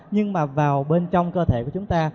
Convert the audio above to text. nhưng mà vào bên trong cơ thể của chúng ta